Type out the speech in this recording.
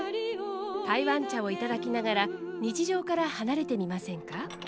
台湾茶を頂きながら日常から離れてみませんか。